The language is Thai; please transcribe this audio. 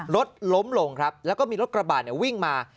รถล้มลงครับแล้วก็มีรถกระบาดวิ่งมา